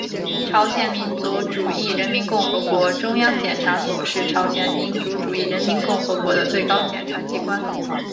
朝鲜民主主义人民共和国中央检察所是朝鲜民主主义人民共和国的最高检察机关。